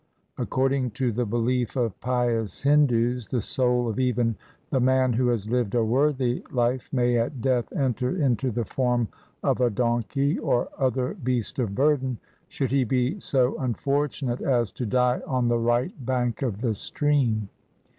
Accord ing to the belief of pious Hindus, the soul of even the man who has lived a worthy life may at death enter into the form of a donkey or other beast of burden, should he be so unfor tunate as to die on the right bank of the stream.